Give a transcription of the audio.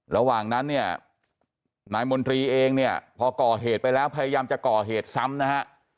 ระหว่างนั้นนายมนตรีเองพอก่อเหตุไปแล้วพยายามจะก่อเหตุซ้ำ